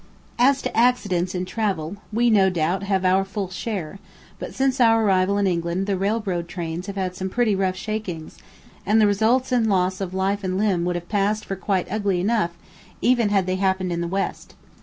As to accidents in travel, we, no doubt, have our full share; but since our arrival in England the railroad trains have had some pretty rough shakings, and the results in loss of life and limb would have passed for quite ugly enough, even had they happened in the west.